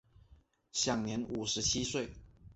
享年五十七岁。